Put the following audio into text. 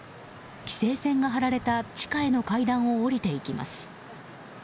規制線が張られた地下への階段を下りていきます。